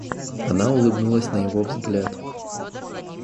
Она улыбнулась на его взгляд.